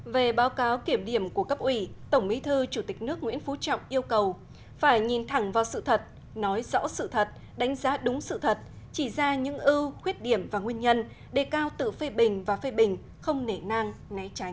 về báo cáo kiểm điểm của cấp ủy tổng bí thư chủ tịch nước nguyễn phú trọng yêu cầu phải nhìn thẳng vào sự thật nói rõ sự thật đánh giá đúng sự thật chỉ ra những ưu khuyết điểm và nguyên nhân đề cao tự phê bình và phê bình không nể nang né trái